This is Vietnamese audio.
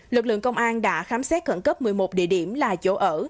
lực lượng công an đã khám xét khẩn cấp một mươi một địa điểm là chỗ ở